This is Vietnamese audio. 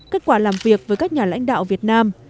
kết quả làm việc với các nhà lãnh đạo việt nam